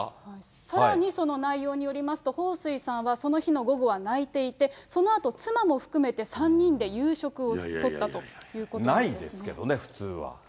さらにその内容によりますと、彭帥さんはその日の午後は泣いていて、そのあと妻も含めて３人で夕食をとったということなんですないですけどね、普通は。